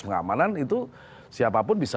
pengamanan itu siapapun bisa